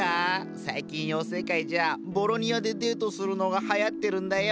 最近妖精界じゃボロニアでデートするのがはやってるんだよ。